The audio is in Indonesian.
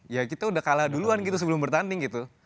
ya kita udah kalah duluan gitu sebelum bertanding gitu